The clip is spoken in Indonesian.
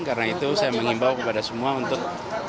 karena itu saya menghimbau kepada semua untuk